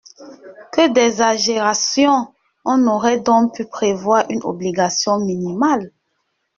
Que d’exagération ! On aurait donc pu prévoir une obligation minimale.